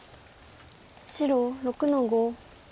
白６の五。